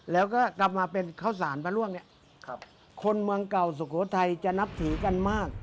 แล้วก็กลับมาเป็นข้าวสารมะม่วงเนี่ยคนเมืองเก่าสุโขทัยจะนับถือกันมาก